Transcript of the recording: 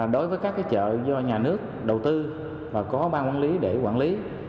đối với các chợ do nhà nước đầu tư và có ban quản lý để quản lý